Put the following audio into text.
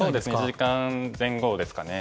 １時間前後ですかね。